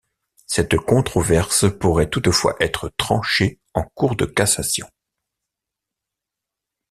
Cette controverse pourrait toutefois être tranchée en Cour de cassation.